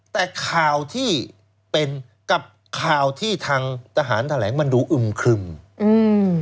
แต่ข่าวที่เป็นกับข่าวที่ทางทหารแถลงมันดูอึมครึมอืม